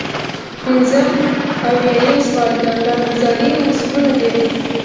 پنځه اویایم سوال د پلانګذارۍ اصلونه دي.